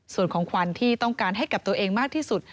ส่วนของขวัญที่ต้องการให้กับตัวเองมากที่สุด